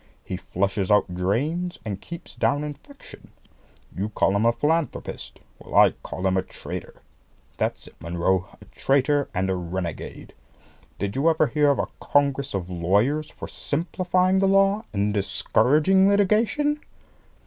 He flushes out drains, and keeps down infection. You call him a philanthropist! Well, I call him a traitor. That's it, Munro, a traitor and a renegade! Did you ever hear of a congress of lawyers for simplifying the law and discouraging litigation?